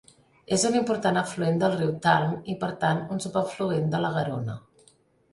És un important afluent del riu Tarn i per tant un subafluent de la Garona.